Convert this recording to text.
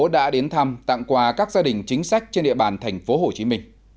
đã đến thăm tặng quà các gia đình chính sách trên địa bàn tp hcm